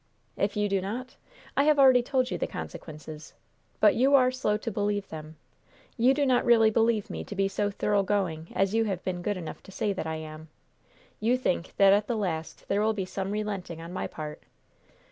"'If you do not?' I have already told you the consequences. But you are slow to believe them. You do not really believe me to be so thorough going as you have been good enough to say that I am. You think that at the last there will be some relenting on my part.